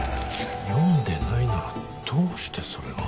読んでないならどうしてそれが。